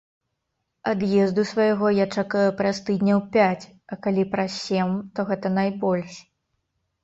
Ад'езду свайго я чакаю праз тыдняў пяць, а калі праз сем, то гэта найбольш.